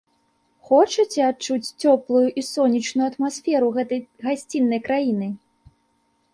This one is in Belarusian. Хочаце адчуць цёплую і сонечную атмасферу гэтай гасціннай краіны?